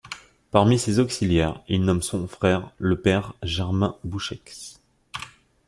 Parmi ses auxiliaires, il nomme son frère, le père Germain Boucheix.